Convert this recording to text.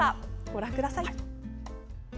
ご覧ください！